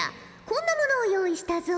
こんなものを用意したぞ。